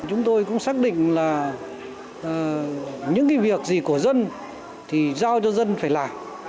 chúng tôi cũng xác định là những cái việc gì của dân thì giao cho dân phải làm